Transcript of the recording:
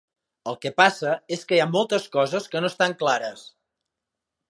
El que passa és que hi ha moltes coses que no estan clares.